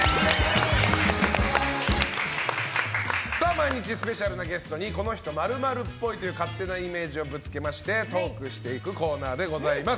毎日スペシャルなゲストにこの人○○っぽいという勝手なイメージをぶつけましてトークしていくコーナーです。